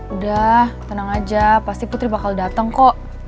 udah tenang aja pasti putri bakal datang kok